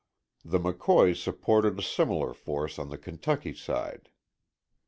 The McCoys supported a similar force on the Kentucky side.